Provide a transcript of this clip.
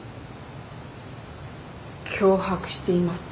脅迫しています？